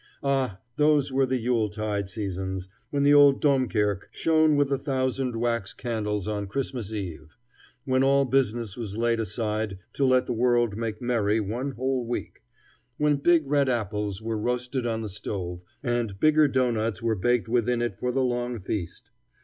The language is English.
Ah, those were the Yule tide seasons, when the old Domkirke shone with a thousand wax candles on Christmas eve; when all business was laid aside to let the world make merry one whole week; when big red apples were roasted on the stove, and bigger doughnuts were baked within it for the long feast!